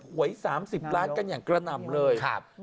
หวย๓๐ล้านกันอย่างกระหน่ำเลย